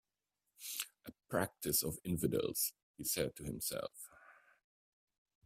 "A practice of infidels," he said to himself.